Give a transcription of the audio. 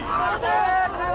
masalah masalah masalah